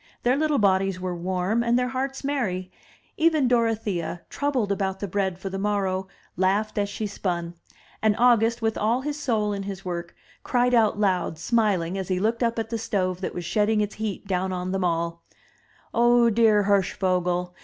Their little bodies were warm, and their hearts merry; even Dorothea, troubled about the bread for the morrow, laughed as she spun; and August, with all his soul in his work, cried out loud, smiling, as he looked up at the stove that was shedding its heat down on them all: "Oh, dear Hirschvogel!